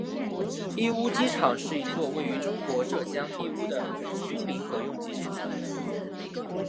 义乌机场是一座位于中国浙江义乌的军民合用机场。